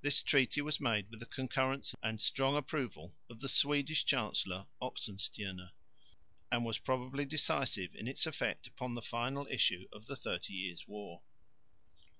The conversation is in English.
This treaty was made with the concurrence and strong approval of the Swedish Chancellor, Oxenstierna, and was probably decisive in its effect upon the final issue of the Thirty Years' War.